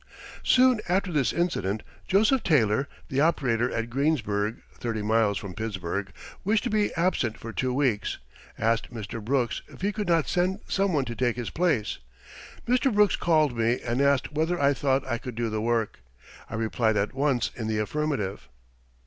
Soon after this incident Joseph Taylor, the operator at Greensburg, thirty miles from Pittsburgh, wishing to be absent for two weeks, asked Mr. Brooks if he could not send some one to take his place. Mr. Brooks called me and asked whether I thought I could do the work. I replied at once in the affirmative.